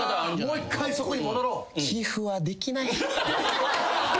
もう一回そこに戻ろう！